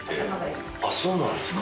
あっそうなんですか。